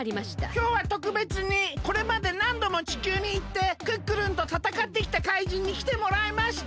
きょうはとくべつにこれまでなんども地球にいってクックルンとたたかってきた怪人にきてもらいました。